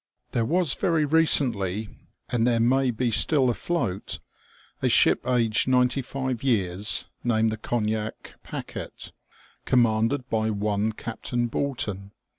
There was very recently, and there may be still afloat, a ship aged ninety five years, named the Cognac Packet, commanded by one Captain Bulton.